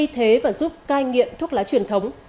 thuốc cai nghiện thuốc lái truyền thống